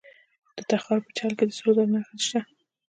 د تخار په چال کې د سرو زرو نښې شته.